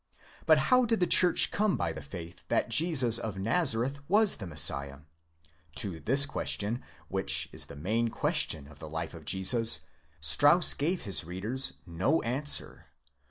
But how did the church come by the faith that Jesus of Nazareth was the Messiah? To ¢fzs question— 'which is the main question of a Life of Jesus— Strauss gave his readers no answer.